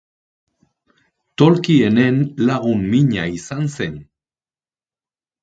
Tolkienen lagun mina izan zen.